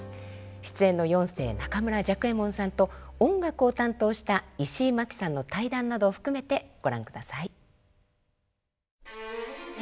出演の四世中村雀右衛門さんと音楽を担当した石井眞木さんの対談などを含めてご覧ください。